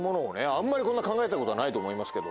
あんまりこんな考えたことはないと思いますけど。